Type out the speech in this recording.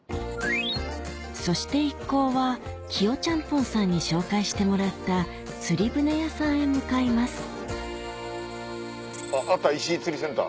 そして一行はキヨちゃんぽんさんに紹介してもらった釣り船屋さんへ向かいますあった石井釣センター。